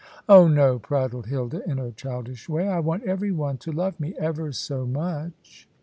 "Oh no," prattled Hilda, in her childish way. "I want every one to love me, ever so much."